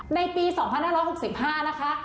ในปี๒๕๖๕นะคะ